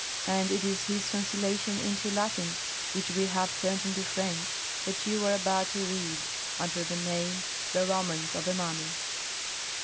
And it is his translation into Latin which we have turned into French that you are about to read, under the name, "The Romance of a Mummy."